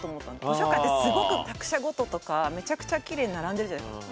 図書館ってすごく作者ごととかめちゃくちゃきれいに並んでるじゃないですか。